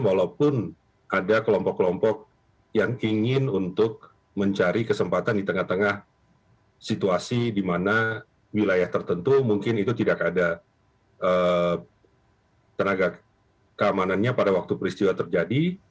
walaupun ada kelompok kelompok yang ingin untuk mencari kesempatan di tengah tengah situasi di mana wilayah tertentu mungkin itu tidak ada tenaga keamanannya pada waktu peristiwa terjadi